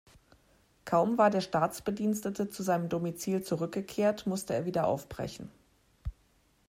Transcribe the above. Kaum war der Staatsbedienstete zu seinem Domizil zurückgekehrt, musste er wieder aufbrechen.